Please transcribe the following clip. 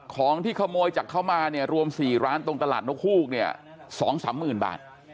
ของที่ขโมยจากเข้ามารวม๔ร้านตรงตลาดนกฮูก๒๓๐๐๐๐บาท